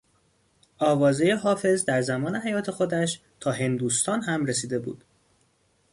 آوازهی حافظ در زمان حیات خودش تا هندوستان هم رسیده بود.